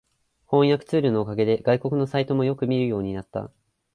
翻訳ツールのおかげで外国のサイトもよく見るようになった